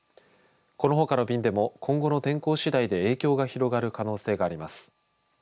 このほかの便でも今後の天候しだいで影響が広がる可能性があります。